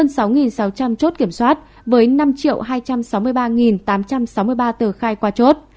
hơn sáu sáu trăm linh chốt kiểm soát với năm hai trăm sáu mươi ba tám trăm sáu mươi ba tờ khai qua chốt